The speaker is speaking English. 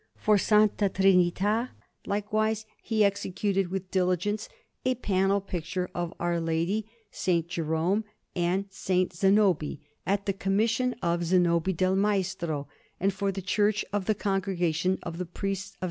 For S. Trinità, likewise, he executed with diligence a panel picture of Our Lady, S. Jerome, and S. Zanobi, at the commission of Zanobi del Maestro; and for the Church of the Congregation of the Priests of S.